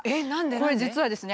これ実はですね